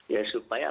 ya supaya apa